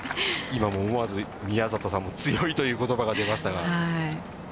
今も思わず、宮里さんも強いということばが出ましたが。